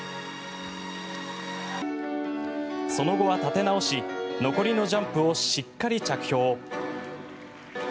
その後は立て直し残りのジャンプをしっかり着氷。